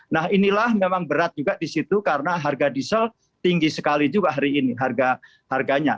nah inilah memang berat juga di situ karena harga diesel tinggi sekali juga hari ini harganya